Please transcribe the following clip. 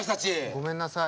ごめんなさい。